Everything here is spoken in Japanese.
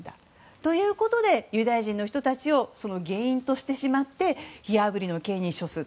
ということでユダヤ人の人たちを原因としてしまって火あぶりの刑に処する。